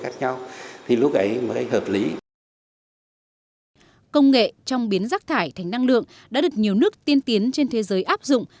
công nghệ trong biến rác thải thành năng lượng đã được nhiều nước tiên tiến trên thế giới áp dụng